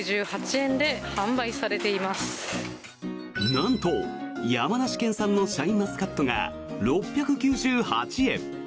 なんと、山梨県産のシャインマスカットが６９８円。